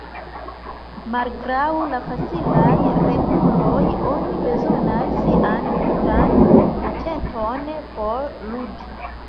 Malgraŭ la facilaj reguloj, oni bezonas sian tutan atenton por ludi.